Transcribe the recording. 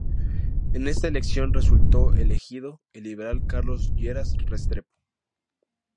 En esta elección resultó elegido el liberal Carlos Lleras Restrepo.